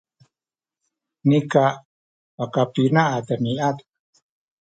nika pakapina a demiad